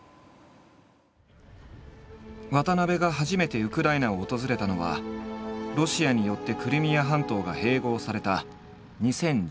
渡部が初めてウクライナを訪れたのはロシアによってクリミア半島が併合された２０１４年。